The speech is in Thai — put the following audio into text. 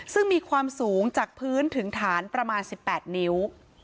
ซึ่งมีความสูงจากพื้นถึงฐานประมาณ๑๘นิ้ว